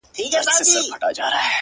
• انسانانو اوس له ما دي لاس پرېولي,